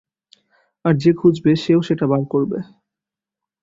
আর যে খুঁজবে সে-ও সেটা বার করবে।